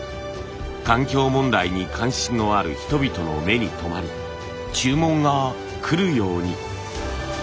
環境問題に関心のある人々の目に留まり注文がくるように。